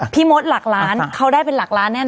พี่โมสลักหลานเขาได้เป็นหลักล้านแน่นอน